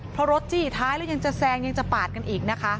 เพราะรถจี้ท้ายแล้วยังจะแซงยังจะปาดกันอีกนะคะ